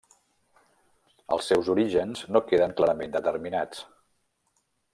Els seus orígens no queden clarament determinats.